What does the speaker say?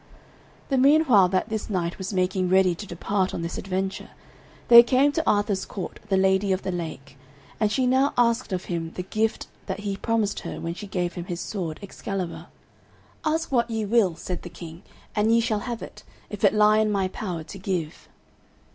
The meanwhile that this knight was making ready to depart on this adventure, there came to Arthur's court the Lady of the Lake, and she now asked of him the gift that he promised her when she gave him his sword Excalibur. "Ask what ye will," said the King, "and ye shall have it, if it lie in my power to give."